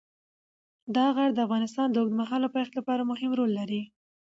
دا غر د افغانستان د اوږدمهاله پایښت لپاره مهم رول لري.